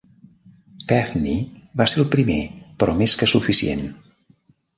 Pevney va ser el primer, però més que suficient.